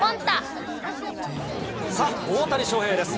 さあ、大谷翔平です。